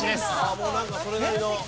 もうなんかそれなりの。